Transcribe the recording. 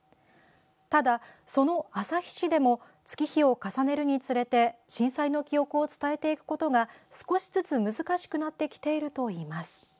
ただ、その旭市でも月日を重ねるにつれて震災の記憶を伝えていくことが少しずつ難しくなってきているといいます。